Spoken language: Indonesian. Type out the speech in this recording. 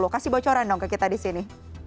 kasih bocoran dong ke kita di sini